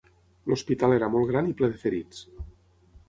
L'hospital era molt gran i ple de ferits